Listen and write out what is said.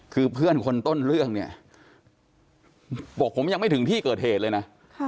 คือเพื่อนคนต้นเรื่องเนี่ยบอกผมยังไม่ถึงที่เกิดเหตุเลยนะ